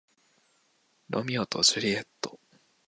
ロミオとジュリエット